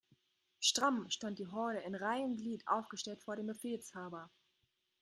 Stramm stand die Horde in Reih' und Glied aufgestellt vor dem Befehlshaber.